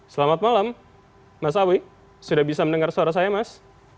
selamat malam mas awi sudah bisa mendengar suara saya mas